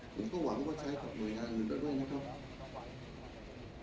ผมก็หวังว่าใช้กับหน่วยงานอื่นไปด้วยนะครับ